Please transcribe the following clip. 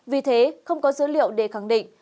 vì thế không có dữ liệu để khẳng định